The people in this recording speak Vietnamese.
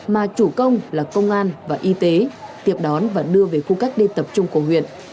mà chủ công là công an và y tế tiếp đón và đưa về khu cách ly tập trung của huyện